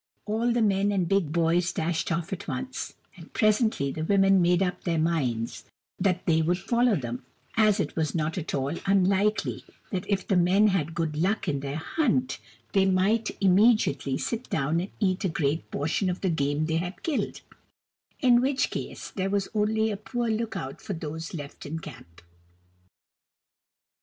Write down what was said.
All the men and big boys dashed off at once, and presently the women made up their minds that they would follow them, as it was not at all unlikely that if the men had good luck in their hunt they might immediately sit down and eat a great portion KUR BO ROO, THE BEAR 221 of the game they had killed — in which case there was only a poor look out for those left in camp.